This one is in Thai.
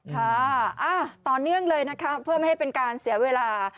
ค่ะต่อเนื่องเลยนะคะเพื่อไม่ให้เป็นการเสียเวลา